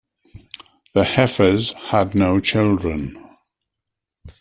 The Heffers had no children.